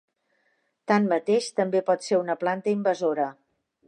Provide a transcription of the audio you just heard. Tanmateix també pot ser una planta invasora.